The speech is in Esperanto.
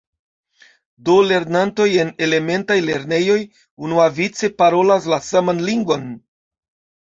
Do lernantoj en elementaj lernejoj unuavice parolas la saman lingvon.